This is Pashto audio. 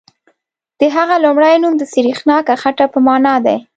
د هغه لومړی نوم سریښناکه خټه په معنا دی.